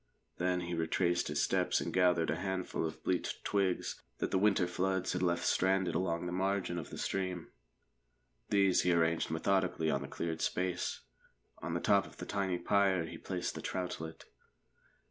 Then he retraced his steps and gathered a handful of bleached twigs that the winter floods had left stranded along the margin of the stream. These he arranged methodically on the cleared space; on the top of the tiny pyre he placed the troutlet.